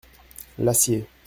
L’acier.